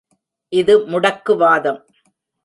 இது முடக்கு வாதம்!